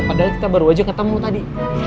padahal kita baru aja ketemu tadi